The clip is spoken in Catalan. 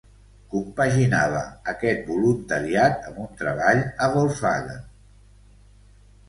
Compaginava aquest voluntariat amb un treball a Volkswagen.